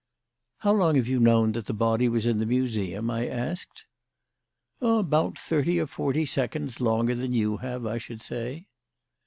"How long have you known that the body was in the Museum?" I asked. "About thirty or forty seconds longer than you have, I should say."